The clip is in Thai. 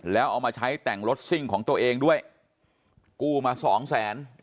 แล้วเอามาใช้แต่งรถซิ่งของตัวเองด้วยกู้มาสองแสน